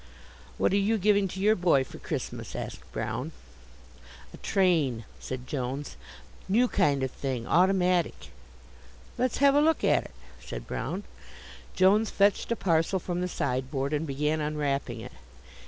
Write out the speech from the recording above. "What are you giving to your boy for Christmas?" asked Brown. "A train," said Jones, "new kind of thing automatic." "Let's have a look at it," said Brown. Jones fetched a parcel from the sideboard and began unwrapping it.